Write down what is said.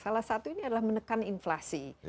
salah satu ini adalah menekan inflasi